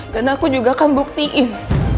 dan aku juga akan buktiin